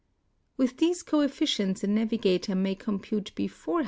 With these coefficients a navigator may comitate heforehan.